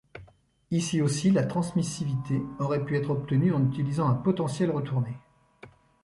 Ici aussi la transmissivité aurait pu être obtenue en utilisant un potentiel retourné.